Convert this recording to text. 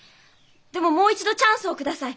でももう一度チャンスを下さい。